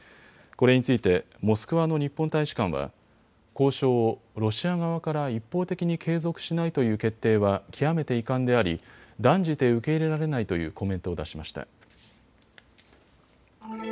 これについてモスクワの日本大使館は交渉をロシア側から一方的に継続しないという決定は極めて遺憾であり断じて受け入れられないというコメントを出しました。